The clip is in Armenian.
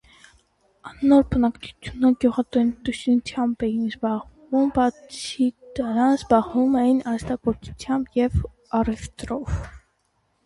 Անոր բնակչութիւնը գիւղատնտեսութենէ բացի կը զբաղէր արհեստագործութեամբ ու առեւտուրով։